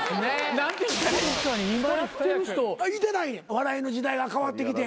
笑いの時代がかわってきて。